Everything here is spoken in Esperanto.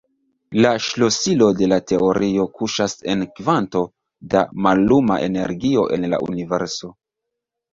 La ŝlosilo de la teorio kuŝas en kvanto da malluma energio en la Universo.